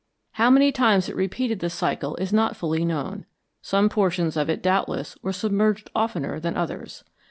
How many times it repeated the cycle is not fully known. Some portions of it doubtless were submerged oftener than others.